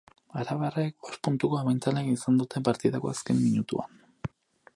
Arabarrek bost puntuko abantaila izan dute partidako azken minutuan.